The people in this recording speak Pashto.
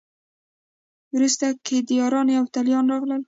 وروسته کیداریان او یفتلیان راغلل